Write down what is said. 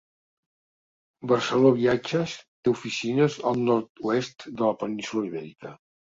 Barceló Viatges té oficines al nord-oest de la península Ibèrica.